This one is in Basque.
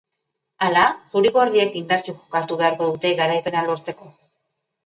Hala, zuri-gorriek indartsu jokatu beharko dute garaipena lortzeko.